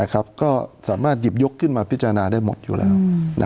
ก็สามารถหยิบยกขึ้นมาพิจารณาได้หมดอยู่แล้ว